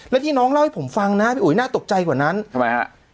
แล้วที่น้องเล่าให้ผมฟังนะพี่อุ๋ยน่าตกใจกว่านั้นทำไมฮะ